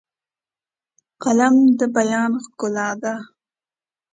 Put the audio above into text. قلم د بیان ښکلا ده